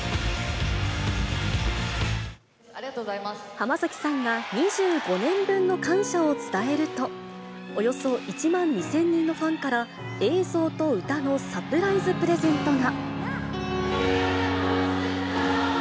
浜崎さんが２５年分の感謝を伝えると、およそ１万２０００人のファンから、映像と歌のサプライズプレゼントが。